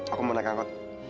aku mau naik angkot